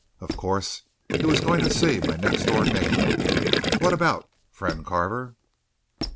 Of course, he was going to see my next door neighbour! What about, friend Carver?"